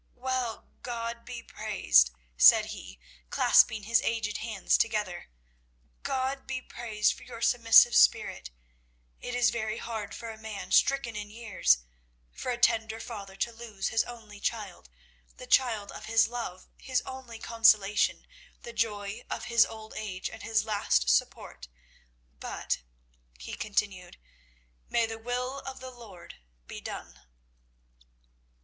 "Well, God be praised," said he, clasping his aged hands together, "God be praised for your submissive spirit. It is very hard for a man stricken in years, for a tender father to lose his only child, the child of his love, his only consolation, the joy of his old age, and his last support, but," he continued, "may the will of the Lord be done."